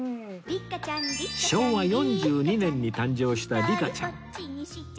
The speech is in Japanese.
昭和４２年に誕生したリカちゃん